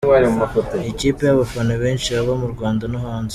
Ni ikipe y’abafana benshi haba mu Rwanda no hanze.